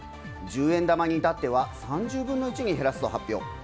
十円玉に至っては３０分の１に減らすと発表。